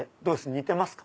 似てますか？